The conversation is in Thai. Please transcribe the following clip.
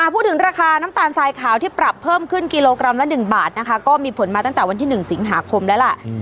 พูดถึงราคาน้ำตาลทรายขาวที่ปรับเพิ่มขึ้นกิโลกรัมละ๑บาทนะคะก็มีผลมาตั้งแต่วันที่๑สิงหาคมแล้วล่ะ